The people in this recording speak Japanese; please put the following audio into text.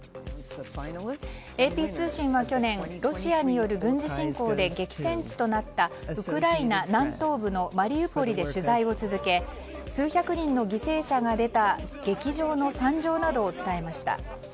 ＡＰ通信は去年ロシアによる軍事侵攻で激戦地となったウクライナ南東部のマリウポリで取材を続け数百人の犠牲者が出た劇場の惨状などを伝えました。